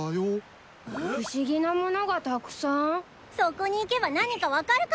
そこに行けば何か分かるかもしれませぬ。